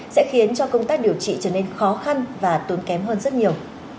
sẽ khiến cho công tác điều trị trở nên khó khăn và tốn kém hơn rất nhiều